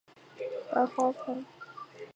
白花蓬子菜为茜草科拉拉藤属下的一个变种。